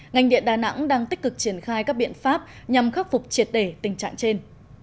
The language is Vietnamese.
ngành điện đà nẵng đang tích cực triển khai các biện pháp nhằm khắc phục triệt để tình trạng trên